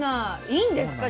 いいんですか？